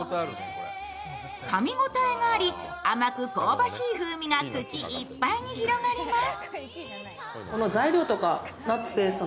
かみ応えがあり、甘く香ばしい風味が口いっぱいに広がります。